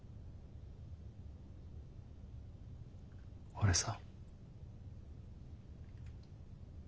俺さ。